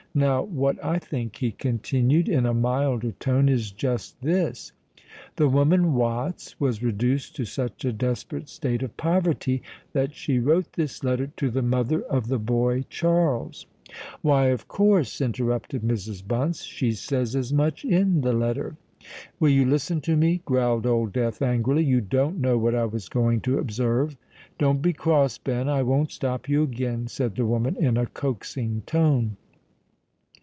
"Now what I think," he continued in a milder tone, "is just this:—the woman Watts was reduced to such a desperate state of poverty, that she wrote this letter to the mother of the boy Charles——" "Why, of course," interrupted Mrs. Bunce. "She says as much in the letter." "Will you listen to me?" growled Old Death angrily: "you don't know what I was going to observe." "Don't be cross, Ben: I won't stop you again," said the woman in a coaxing tone.